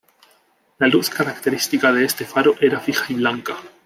La luz característica de este faro era fija y blanca.